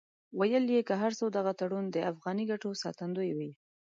ویل یې که هر څو دغه تړون د افغاني ګټو ساتندوی وي.